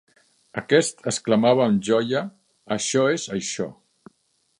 Aquest exclamava amb joia: Això és això.